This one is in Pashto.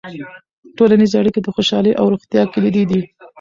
ټولنیزې اړیکې د خوشحالۍ او روغتیا کلیدي دي.